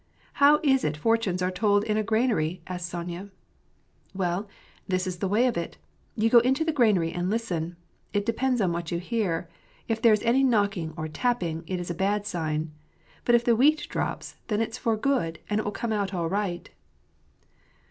" How is it fortunes are told in a granary ?" asked Sonya. '^ Well, this is the way of it ; you go into the g^ranary and listen. It depends on what you hear : if there is any knock ing or tapping, it's a bad sign ; but if the wheat drops, then ifs for good, and it will come out all right."